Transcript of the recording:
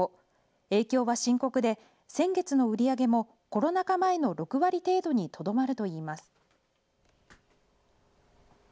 影響は深刻で、先月の売り上げも、コロナ禍前の６割程度にとどまるといいます。